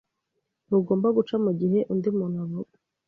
Ntugomba guca mugihe undi muntu avuga.